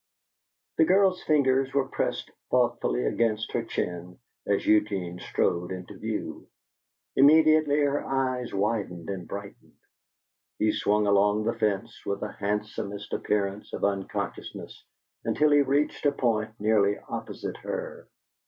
The girl's fingers were pressed thoughtfully against her chin as Eugene strode into view; immediately her eyes widened and brightened. He swung along the fence with the handsomest appearance of unconsciousness, until he reached a point nearly opposite her.